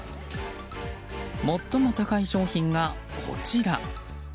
最も高い商品が、こちら。